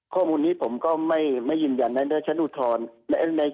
ข้อมูลนี้ผมก็ไม่ยืนยันนะครับ